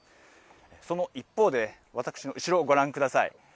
その一方で、私の後ろをご覧ください。